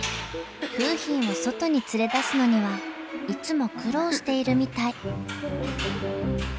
楓浜を外に連れ出すのにはいつも苦労しているみたい。